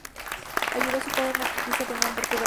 Ayudó a su padre en la conquista de gran parte de Asia.